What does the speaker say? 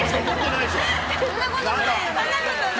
そんなことないよね！